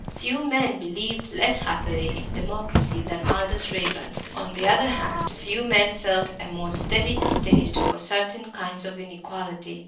Few men believed less happily in democracy than Aldous Raeburn; on the other hand, few men felt a more steady distaste for certain kinds of inequality.